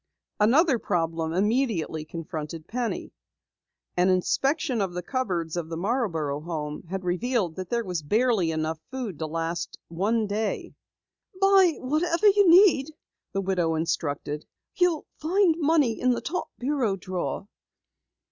Another problem immediately confronted Penny. An inspection of the cupboards of the Marborough home had revealed that there was barely enough food to last a day. "Buy whatever you need," the widow instructed. "You'll find money in the top bureau drawer."